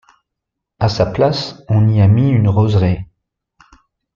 À sa place, on y a mis une roseraie.